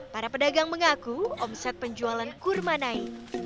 para pedagang mengaku omset penjualan kurma naik